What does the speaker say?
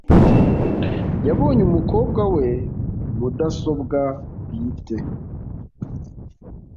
Yabonye umukobwa we mudasobwa bwite.